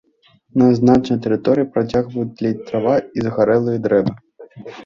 На значнай тэрыторыі пацягваюць тлець трава і згарэлыя дрэвы.